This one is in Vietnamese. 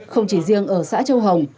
không chỉ riêng ở xã châu hồng